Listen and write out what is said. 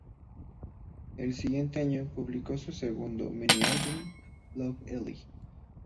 Al siguiente año, publicó su segundo mini-álbum, "Lov-Elly".